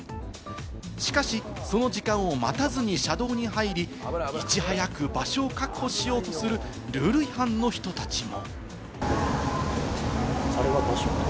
しかし、その時間を待たずに車道に入り、いち早く場所を確保しようとする、ルール違反の人たちも。